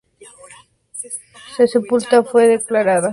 Su sepultura fue declarada Monumento Histórico Nacional.